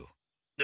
え？